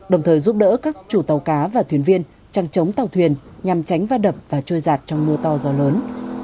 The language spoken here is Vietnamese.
đồng thời giúp đỡ các chủ tàu cá và thuyền viên trăng trống tàu thuyền nhằm tránh va đập và trôi giạt trong mưa to gió lớn